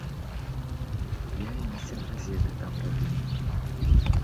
Я і насценгазеты там рабіў.